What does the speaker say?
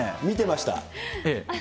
見てました。